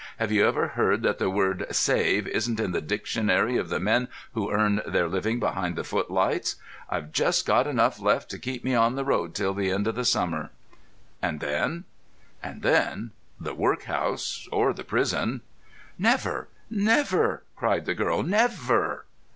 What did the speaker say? "Have you ever heard that the word 'save' isn't in the dictionary of the men who earn their living behind the footlights? I've got just enough left to keep me on the road till the end of the summer." "And then?" "And then—the workhouse or the prison." "Never, never!" cried the girl. "Never!"